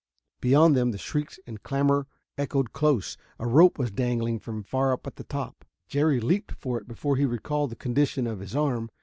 Behind them the shrieks and clamor echoed close. A rope was dangling from far up at the top. Jerry leaped for it before he recalled the condition of his arm.